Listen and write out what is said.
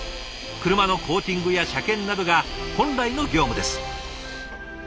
車のコーティングや車検などが本来の業務です。